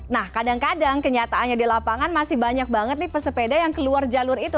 nah kadang kadang kenyataannya di lapangan masih banyak banget nih pesepeda yang keluar jalur itu